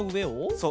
そう！